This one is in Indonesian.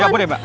ya boleh mbak